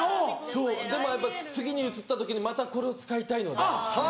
そうでもやっぱ次に移った時にまたこれを使いたいので。